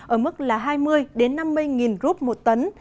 ở mức là hai mươi năm mươi rup một tấn